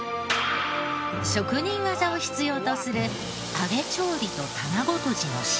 職人技を必要とする揚げ調理と卵とじの仕上がり。